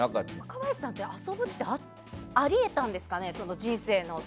若林さんって遊ぶってあり得たんですかね。